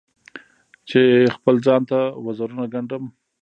چې خپل ځان ته وزرونه ګنډم